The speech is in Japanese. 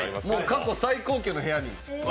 過去最高級の部屋に。